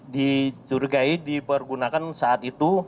dijurigai dipergunakan saat itu